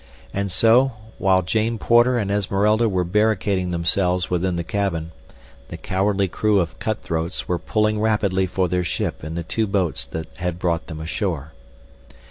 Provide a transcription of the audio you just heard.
And so, while Jane Porter and Esmeralda were barricading themselves within the cabin, the cowardly crew of cutthroats were pulling rapidly for their ship in the two boats that had brought them ashore.